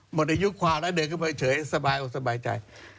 หมดอายุขวาแล้วเดินขึ้นมาเฉยสบายใจ